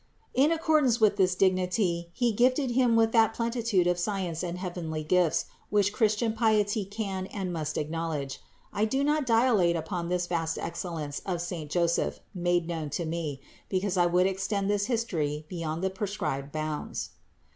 In accordance with this dignity, He gifted him with that plenitude of science and heavenly gifts which Christian piety can and must acknowledge. I do not dilate upon this vast excellence of saint Joseph made known to me, because I would extend this history beyond the pre scribed bounds.